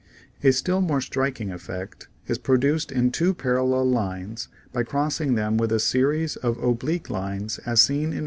A still more striking effect is produced in two parallel lines by crossing them with a series of oblique lines as seen Fig.